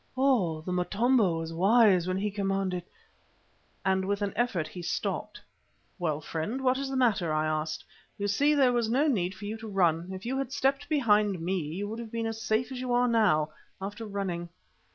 Oh! the Motombo was wise when he commanded " and with an effort he stopped. "Well, friend, what is the matter?" I asked. "You see there was no need for you to run. If you had stepped behind me you would have been as safe as you are now after running."